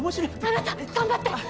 あなた頑張って！